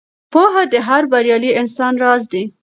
پوهه د هر بریالي انسان راز دی.